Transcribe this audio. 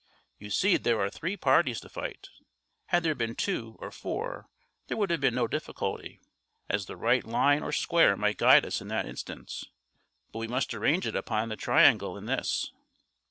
You see there are three parties to fight; had there been two or four there would have been no difficulty, as the right line or square might guide us in that instance; but we must arrange it upon the triangle in this."